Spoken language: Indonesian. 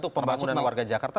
untuk pembangunan warga jakarta